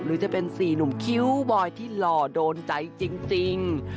หรือจะเป็น๔หนุ่มคิ้วบอยที่หล่อโดนใจจริง